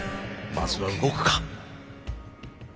まずは動くか。